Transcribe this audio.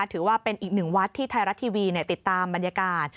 ถือว่าเป็นอีกหนึ่งวัดที่ไทยรัฐทีวีติดตามบรรยากาศ